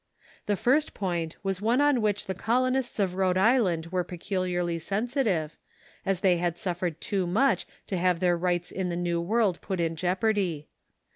The first point was one on which the colonists of Rhode Island were peculiar ly sensitive, as they had suffered too much to have their rights in the Xew World put in jeopardy.